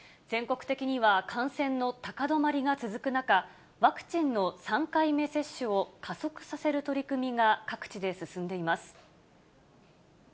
全国的には感染の高止まりが続く中、ワクチンの３回目接種を加速させる取り組みが、各地で進んでいます。